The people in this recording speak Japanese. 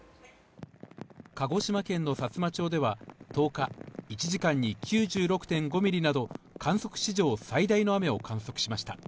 鹿児島県のさつま町では１０日１時間に９６．５ミリなど観測史上最大の雨を観測しました。